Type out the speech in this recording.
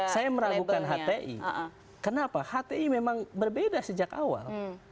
saya meragukan hti kenapa hti memang berbeda sejak awal